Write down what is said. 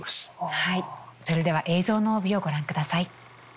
はいそれでは映像の帯をご覧ください。